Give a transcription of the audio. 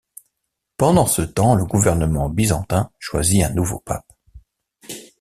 Pendant ce temps, le gouvernement byzantin choisit un nouveau pape.